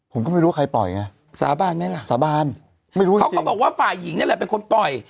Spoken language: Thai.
ผมก็ไม่รู้ว่าใครปล่อยไงสาบานไหมล่ะสาบานไม่รู้เขาก็บอกว่าฝ่ายหญิงนี่แหละเป็นคนปล่อย